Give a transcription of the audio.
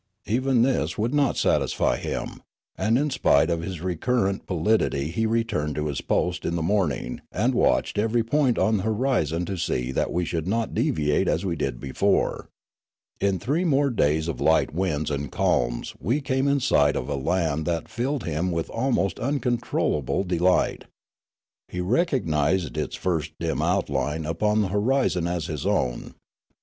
Even this would not satisfy him, and in spite of his recurrent pallidity he returned to his post in the morning and watched every point on the horizon to see that we should not deviate as we did before. In three more days of light winds and calms we came in sight of a land that filled him with almost uncontrollable de light. He recognised its first dim outline upon the o 62 Riallaro horizon as his own.